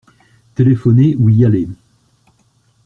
Téléphoner ou y aller.